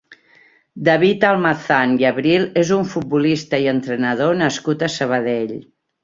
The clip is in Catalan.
David Almazán i Abril és un futbolista i entrenador nascut a Sabadell.